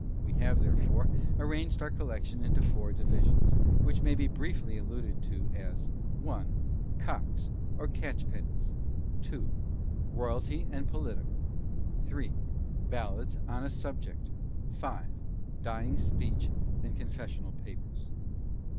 We have, therefore, arranged our collection into four divisions, which may be briefly alluded to as I. "COCKS," OR "CATCHPENNIES." II. ROYALTY AND POLITICAL. III. BALLADS ON A SUBJECT. IV. DYING SPEECH AND CONFESSIONAL PAPERS.